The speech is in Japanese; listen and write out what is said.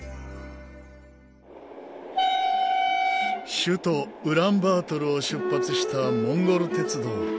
首都ウランバートルを出発したモンゴル鉄道。